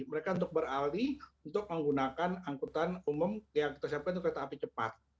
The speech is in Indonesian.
mereka untuk beralih untuk menggunakan angkutan umum yang kita siapkan untuk kereta api cepat